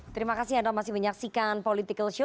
terima kasih anda masih menyaksikan political show